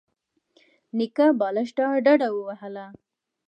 نيکه بالښت ته ډډه ووهله.